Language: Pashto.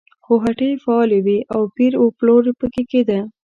خو هټۍ فعالې وې او پېر و پلور پکې کېده.